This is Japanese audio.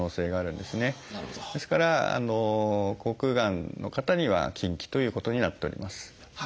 ですから口腔がんの方には禁忌ということになっております。